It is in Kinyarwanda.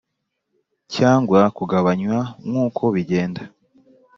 cyangwa kugabanywa nk uko bigenda